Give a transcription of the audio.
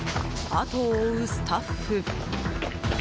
後を追うスタッフ。